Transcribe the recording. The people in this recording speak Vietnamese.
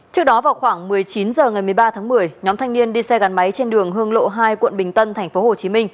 trước đó vào khoảng một mươi chín h ngày một mươi ba tháng một mươi nhóm thanh niên đi xe gắn máy trên đường hương lộ hai quận bình tân tp hcm